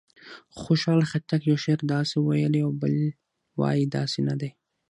خوشحال خټک یو شعر داسې ویلی او بل وایي داسې نه دی.